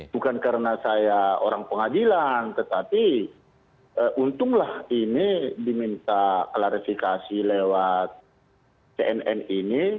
bukan karena saya orang pengadilan tetapi untunglah ini diminta klarifikasi lewat cnn ini